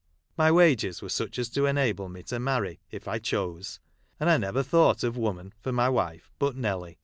My wages were such as to enable me to marry, if I chose ; and I never thought of woman, for my wife, but Nelly.